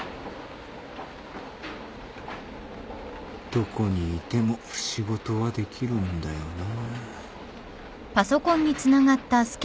どこにいても仕事はできるんだよな。